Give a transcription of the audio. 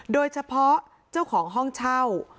โดยเฉพาะเจ้าของห้องเช่า